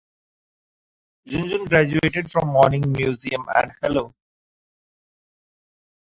Junjun graduated from Morning Musume and Hello!